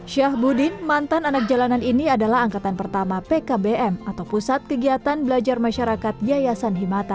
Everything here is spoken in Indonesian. syahbudin mantan anak jalanan ini adalah angkatan pertama pkbm atau pusat kegiatan belajar masyarakat yayasan himata